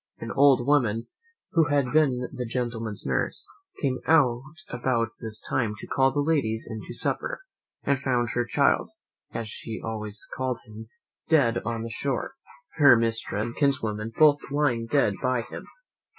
An old woman, who had been the gentleman's nurse, came out about this time to call the ladies in to supper, and found her child, as she always called him, dead on the shore, her mistress and kinswoman both lying dead by him.